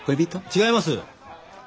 違います。